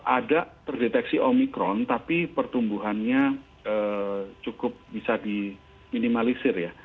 ada terdeteksi omicron tapi pertumbuhannya cukup bisa diminimalisir